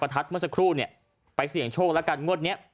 ประทัดเมื่อสักครู่ไปเสียงโชคและการงวดนี้